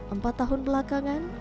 empat tahun belakangan